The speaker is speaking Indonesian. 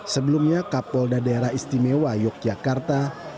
sebelumnya kapolda daerah istimewa yogyakarta